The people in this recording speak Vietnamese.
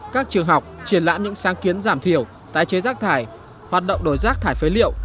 các trường học triển lãm những sáng kiến giảm thiểu tái chế rác thải hoạt động đổi rác thải phế liệu